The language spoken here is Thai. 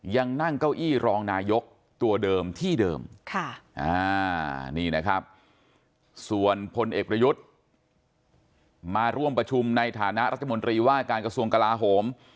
ยังนั่งเก้าอี้รองนายกตัวเดิมที่เดิมนี่นะครับส่วนพลเอกประยุทธ์มาร่วมประชุมในฐานะรัฐมนตรีว่าการกระทรวงกลาโหม